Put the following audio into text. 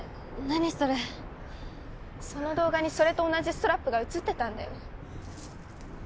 何それその動画にそれと同じストラップが写ってたんだよ